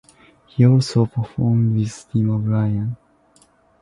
He also performed with Dima Bilan.